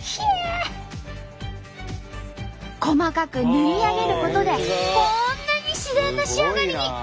細かく縫い上げることでこんなに自然な仕上がりに。